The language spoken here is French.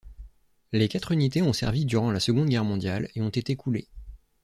Les quatre unités ont servi durant la Seconde Guerre mondiale et ont été coulées.